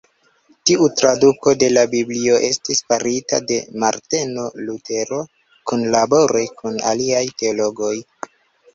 Tiu traduko de la Biblio estis farita de Marteno Lutero kunlabore kun aliaj teologoj.